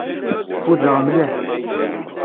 Ffudeɣ mliḥ.